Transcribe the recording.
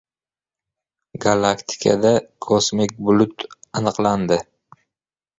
Galaktikada kosmik bulut aniqlandi